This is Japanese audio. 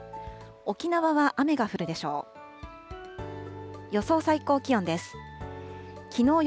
沖縄は雨が降るでしょう。